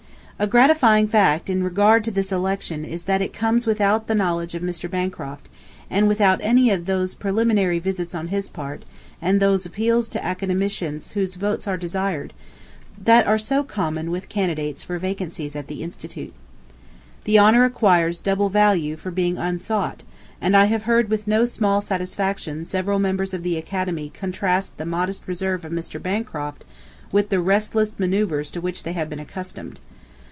A gratifying fact in regard to this election is that it comes without the knowledge of Mr. Bancroft, and without any of those preliminary visits on his part, and those appeals to academicians whose votes are desired, that are so common with candidates for vacancies at the Institute. The honor acquires double value for being unsought, and I have heard with no small satisfaction several Members of the Academy contrast the modest reserve of Mr. Bancroft with the restless manoeuvres to which they have been accustomed.